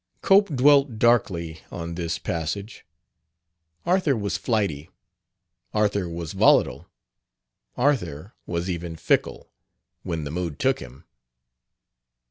Cope dwelt darkly on this passage. Arthur was flighty; Arthur was volatile; Arthur was even fickle, when the mood took him.